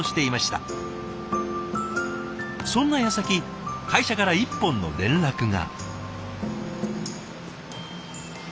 そんなやさき会社から一本の連絡が。